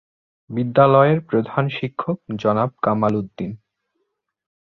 বিদ্যালয়ের প্রধান শিক্ষক জনাব কামাল উদ্দীন।